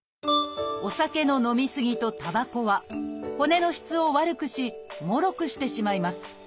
「お酒の飲み過ぎ」と「たばこ」は骨の質を悪くしもろくしてしまいます。